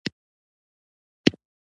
د لارډ لارنس د لیک کاپي ورواستوله.